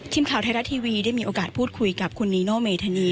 ทีมข่าวไทยรัฐทีวีได้มีโอกาสพูดคุยกับคุณนีโนเมธานี